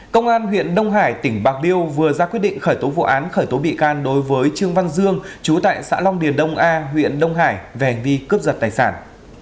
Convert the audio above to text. công an huyện đông hải tỉnh bạc liêu vừa ra quyết định khởi tố vụ án khởi tố bị can đối với trương văn dương chú tại xã long điền đông a huyện đông hải về hành vi cướp giật tài sản